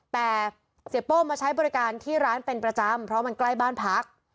แต่เสียโป้มาใช้บริการที่ร้านเป็นประจำเพราะมันใกล้บ้านพัก